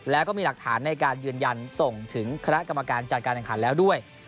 แล้วก็มีหลักฐานในการยืนยันส่งถึงคณะกรรมการจัดการแห่งขันแล้วด้วย